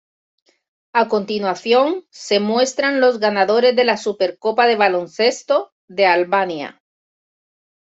A continuación se muestran los ganadores de la Supercopa de baloncesto de Albania.